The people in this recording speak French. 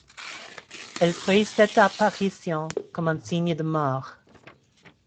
Elle prit cette apparition comme un signe de mort.